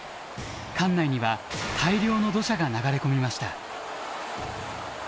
館内には大量の土砂が流れ込みました。